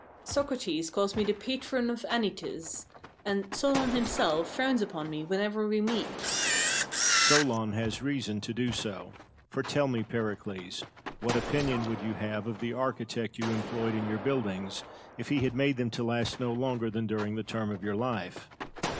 Socrates calls me the patron of Anytus, and Solon himself frowns upon me whenever we meet. Cosmo. Solon has reason to do so; for tell me, Pericles, what opinion would you have of the architect you employed in your buildings if he had made them to last no longer than during the term of your life?